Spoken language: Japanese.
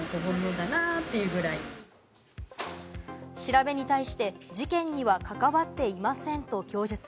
調べに対して、事件にはかかわっていませんと供述。